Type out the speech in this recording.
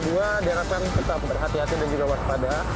derakan tetap berhati hati dan juga waspada